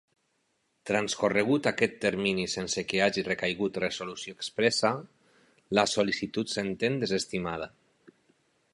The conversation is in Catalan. Transcorregut aquest termini sense que hagi recaigut resolució expressa, la sol·licitud s'entén desestimada.